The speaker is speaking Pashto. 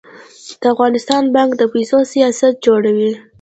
د افغانستان بانک د پیسو سیاست جوړوي